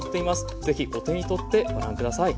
是非お手に取ってご覧下さい。